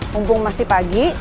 mumpung masih pagi